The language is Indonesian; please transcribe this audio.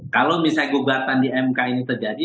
kalau misalnya gugatan di mk ini terjadi